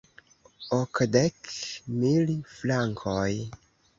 Okdek mil frankoj?